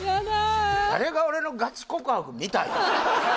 誰が俺のガチ告白見たい？